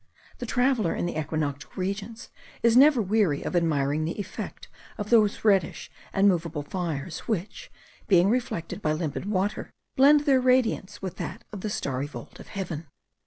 The traveller in the equinoctial regions is never weary of admiring the effect of those reddish and moveable fires, which, being reflected by limpid water, blend their radiance with that of the starry vault of heaven.